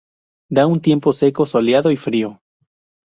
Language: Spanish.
Da un tiempo seco, soleado y frío.